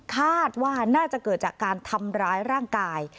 คาดว่าน่าจะเกิดจากการทำร้ายร่างกาย